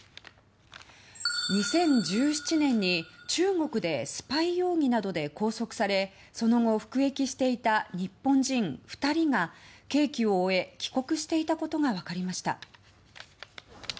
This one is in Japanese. ２０１７年に、中国でスパイ容疑などで拘束されその後、服役していた日本人２人が刑期を終え帰国していたことが分かりました。